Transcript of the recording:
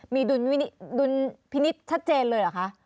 มีดุลพินิษฐ์ชัดเจนเลยเหรอคะ